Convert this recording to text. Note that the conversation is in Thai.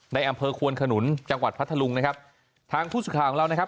ในอำเภอควนขนุนจังหวัดพัทธลุงนะครับทางผู้สื่อข่าวของเรานะครับ